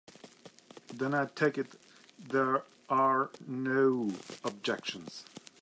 Then I take it there are no objections.